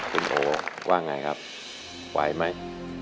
คุณโอว่าไงครับไหวไหม